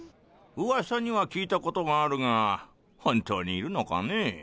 噂には聞いたことがあるが本当にいるのかねぇ。